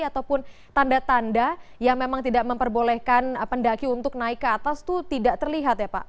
ataupun tanda tanda yang memang tidak memperbolehkan pendaki untuk naik ke atas itu tidak terlihat ya pak